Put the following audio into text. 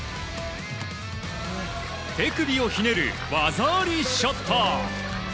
手首をひねる技ありショット。